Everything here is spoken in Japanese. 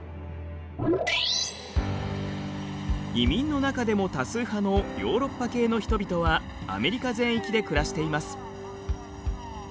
移民の中でも多数派のヨーロッパ系の人々はアメリカ全域で暮らしています。